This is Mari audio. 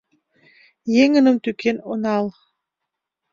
Еҥыным тӱкен онал.